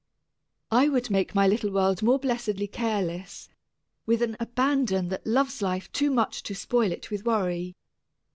I would make my little world more blessedly careless with an abandon that loves life too much to spoil it with worry.